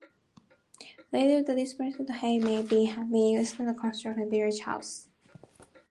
Later, the demolished Hall may have been used to construct village houses.